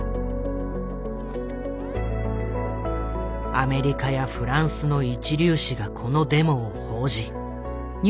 アメリカやフランスの一流紙がこのデモを報じ。